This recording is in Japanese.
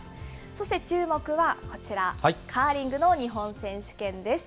そして、注目はこちら、カーリングの日本選手権です。